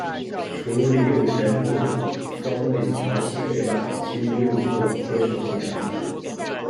除李佑铨墓方位朝西北外，其余五座皆朝西南。